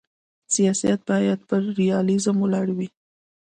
سیاست باید پر ریالیزم ولاړ وي.